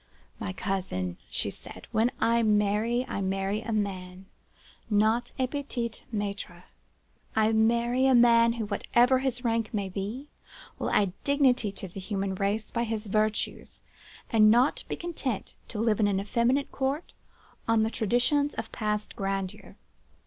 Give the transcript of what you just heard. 'My cousin,' she said, 'when I marry, I marry a man, not a petit maitre. I marry a man who, whatever his rank may be will add dignity to the human race by his virtues, and not be content to live in an effeminate court on the traditions of past grandeur.